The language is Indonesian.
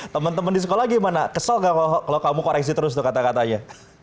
teman teman di sekolah gimana kesel kalau kamu koreksi terus tuh kata katanya